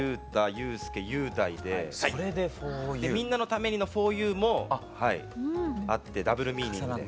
祐介雄大でみんなのためにのフォーユーもあってダブルミーニングで。